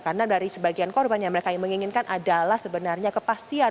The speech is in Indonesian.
karena dari sebagian korbannya yang mereka inginkan adalah sebenarnya kepastian